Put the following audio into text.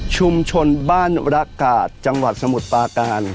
ชุมชนบ้านระกาศจังหวัดสมุทรปาการ